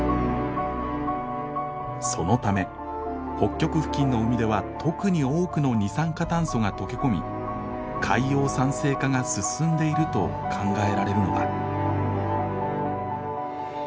そのため北極付近の海では特に多くの二酸化炭素が溶け込み海洋酸性化が進んでいると考えられるのだ。